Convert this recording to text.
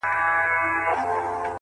او ښه په ډاگه درته وايمه چي،